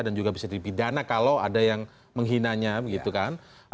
dan juga bisa dipidana kalau ada yang menghinanya gitu kan